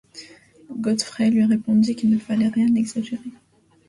Godfrey lui répondit qu’il ne fallait rien exagérer.